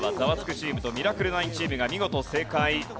チームとミラクル９チームが見事正解。